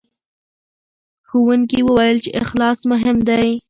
ښوونکي وویل چې اخلاص مهم دی.